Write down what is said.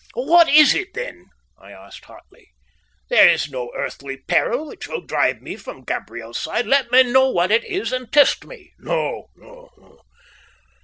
"What is it, then?" I asked, hotly. "There is no earthly peril which will drive me from Gabriel's side. Let me know what it is and test me." "No, no.